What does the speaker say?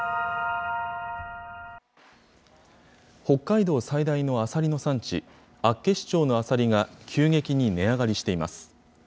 北海道最大のあさりの産地、厚岸町のあさりが急激に値上がりしています。